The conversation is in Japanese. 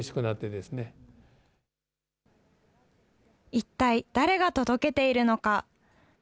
一体誰が届けているのか。